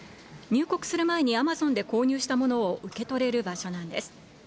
入国する前にアマゾンで購入したものを受け取れる場所なんです。